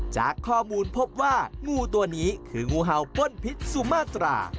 จากข้อมูลพบว่างูตัวนี้คืองูเห่าป้นพิษสุมาตรา